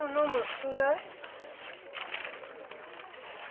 ちょうだい。